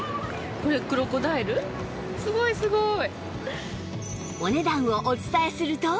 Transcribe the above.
すごいすごい。